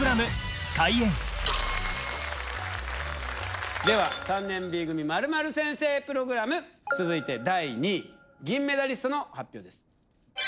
開演では３年Ｂ組○○先生プログラム続いて第２位銀メダリストの発表です